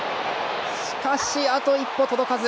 しかし、あと一歩届かず。